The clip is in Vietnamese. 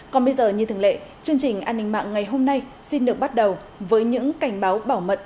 còn bây giờ như thường lệ chương trình an ninh mạng ngày hôm nay xin được bắt đầu với những cảnh báo bảo mật